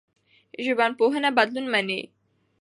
ژبپوهنه بدلون مني.